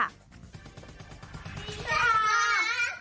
สวัสดีค่ะ